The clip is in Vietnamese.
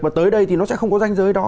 và tới đây thì nó sẽ không có danh giới đó